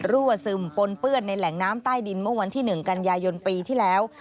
รั่วซึมปนเปื้อนในแหล่งน้ำใต้ดินเมื่อวันที่๑กันยายนปีที่แล้ว